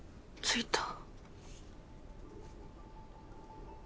ついた。